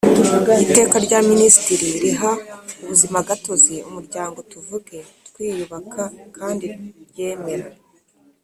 Iteka rya minisitiri riha ubuzimagatozi umuryango tuvuge twiyubaka kandi ryemera